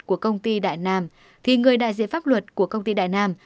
của công ty đại nam thì người đại diện pháp luật của công ty đại nam